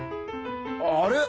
あれ？